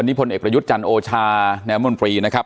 นี่พลเอกประยุทธ์จันทร์โอชาแนวมนตรีนะครับ